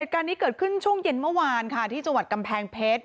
เหตุการณ์นี้เกิดขึ้นช่วงเย็นเมื่อวานค่ะที่จังหวัดกำแพงเพชร